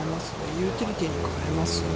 ユーティリティーに変えますね。